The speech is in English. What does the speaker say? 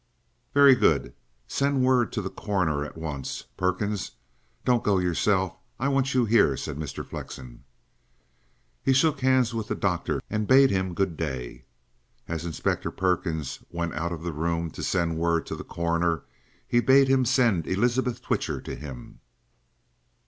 "Very good. Send word to the coroner at once, Perkins. Don't go yourself. I shall want you here," said Mr. Flexen. He shook hands with the doctor and bade him good day. As Inspector Perkins went out of the room to send word to the coroner, he bade him send Elizabeth Twitcher to him.